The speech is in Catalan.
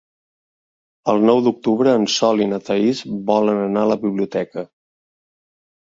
El nou d'octubre en Sol i na Thaís volen anar a la biblioteca.